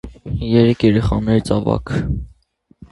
Երեք երեխաներից ավագը։